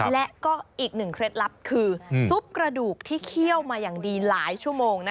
และก็อีกหนึ่งเคล็ดลับคือซุปกระดูกที่เคี่ยวมาอย่างดีหลายชั่วโมง